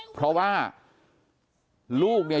เพราะว่าลูกเนี่ย